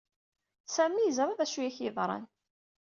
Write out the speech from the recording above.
Sami yeẓra d acu ay ak-yeḍran.